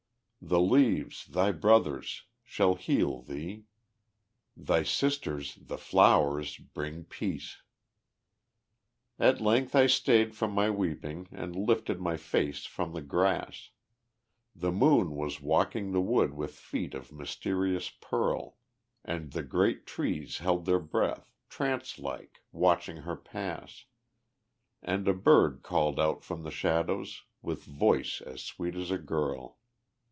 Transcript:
The leaves, thy brothers, shall heal thee; thy sisters, the flowers, bring peace." At length I stayed from my weeping, and lifted my face from the grass; The moon was walking the wood with feet of mysterious pearl, And the great trees held their breath, trance like, watching her pass, And a bird called out from the shadows, with voice as sweet as a girl.